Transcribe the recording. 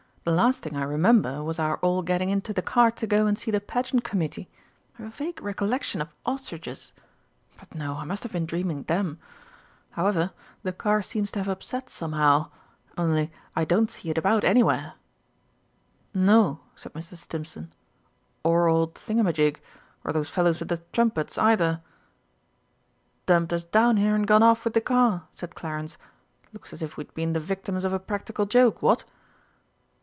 The last thing I remember was our all getting into the car to go and see the Pageant Committee. I've a vague recollection of ostriches but no, I must have been dreaming them. However, the car seems to have upset somehow, only I don't see it about anywhere." "No," said Mr. Stimpson, "or old Thingumagig, or those fellows with the trumpets either." "Dumped us down here, and gone off with the car," said Clarence. "Looks as if we'd been the victims of a practical joke, what?"